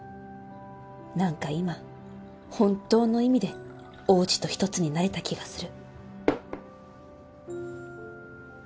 なんか今本当の意味で王子とひとつになれた気がする